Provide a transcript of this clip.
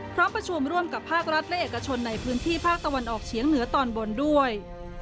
พร้อมประชุมร่วมกับภาครัฐและเอกชนในพื้นที่ภาคตะวันออกเฉียงเหนือตอนบนด้วย